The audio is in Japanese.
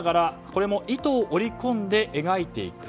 これも糸を織り込んで描いていく。